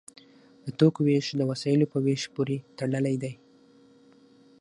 د توکو ویش د وسایلو په ویش پورې تړلی دی.